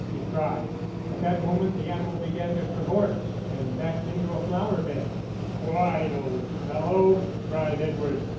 he cried. At that moment the animal began to cavort, and backed into a flower bed. "Quiet, old fellow," cried Edward.